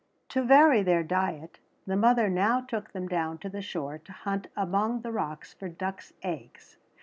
To vary their diet the mother now took them down to the shore to hunt among the rocks for ducks' eggs.